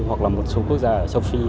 hoặc là một số quốc gia sông phi